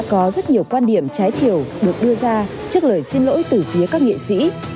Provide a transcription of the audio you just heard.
có rất nhiều quan điểm trái chiều được đưa ra trước lời xin lỗi từ phía các nghệ sĩ